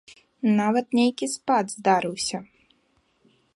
Нават нейкі спад здарыўся.